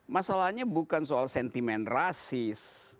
masalahnya bukan soal sentimen rasis